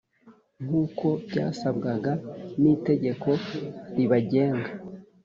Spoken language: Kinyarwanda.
nk’ uko byasabwaga n itegeko ribagenga